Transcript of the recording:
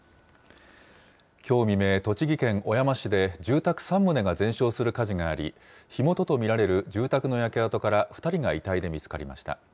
きょう未明、栃木県小山市で住宅３棟が全焼する火事があり、火元と見られる住宅の焼け跡から２人が遺体で見つかりました。